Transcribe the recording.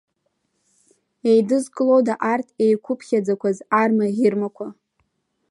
Еидызкылода арҭ еиқәуԥхьаӡақәаз арма-ӷьырмақәа?